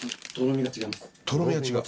とろみが違う。